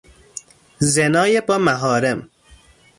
زنای با محارم